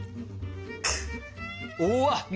おわっ！